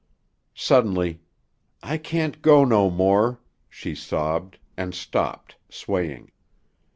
Suddenly, "I can't go no more," she sobbed, and stopped, swaying.